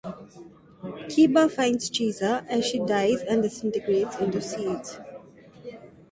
Kiba finds Cheza as she dies and disintegrates into seeds.